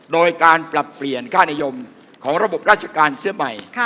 โดยการปรับเปลี่ยนค่านิยมของระบบราชการเสื้อใหม่